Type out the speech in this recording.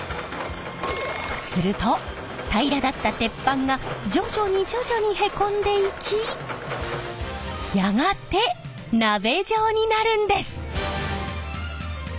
すると平らだった鉄板が徐々に徐々にへこんでいきやがて鍋状になるんです！